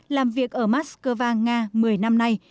làm việc ở moscow nga một mươi năm nay